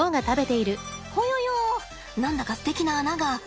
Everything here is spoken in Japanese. ほよよ何だかすてきな穴が。